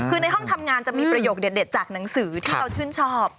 คือในห้องทำงานจะมีประโยคเด็ดจากหนังสือที่เราชื่นชอบ